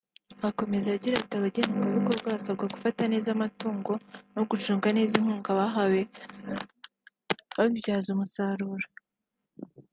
Akomeza agira ati “Abagenerwabikorwa basabwa gufata neza amatungo no gucunga neza inkunga bahawe babibyaze umusaruro